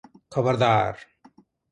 ଖବରଦାର ।